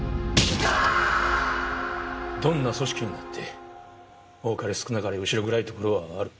どんな組織にだって多かれ少なかれ後ろ暗いところはある。